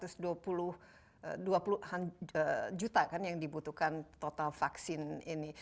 sebenarnya empat ratus dua puluh juta kan yang dibutuhkan total vaksin ini